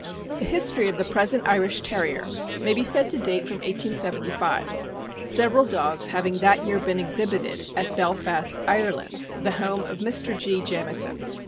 The history of i he present Irish Terrier may be said to date from 1875, several dogs having that year been exhib ited at Belfast, Ireland, the home of Mr. G. Jamison.